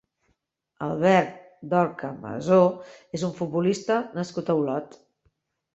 Albert Dorca Masó és un futbolista nascut a Olot.